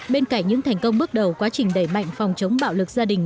bên cạnh những thành công bước đầu quá trình đẩy mạnh phòng chống bạo lực gia đình